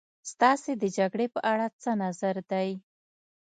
ستاسې د جګړې په اړه څه نظر دی.